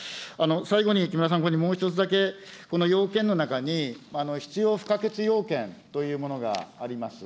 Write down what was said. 最後に木村参考人に、もう一つだけ、この要件の中に必要不可欠要件というものがあります。